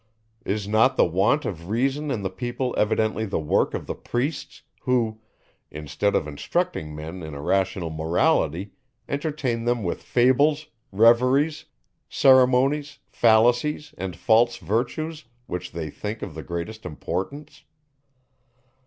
Is not the want of reason in the people evidently the work of the priests, who, instead of instructing men in a rational morality, entertain them with fables, reveries, ceremonies, fallacies, and false virtues which they think of the greatest importance?